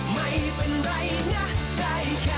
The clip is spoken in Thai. ไม่มีความรักไม่เป็นไรนะใจแค่ไม่มีเขา